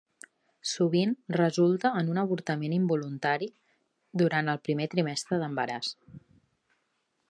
Sovint resulta en un avortament involuntari durant el primer trimestre d'embaràs.